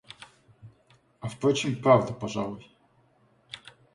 А впрочем, правда, пожалуй.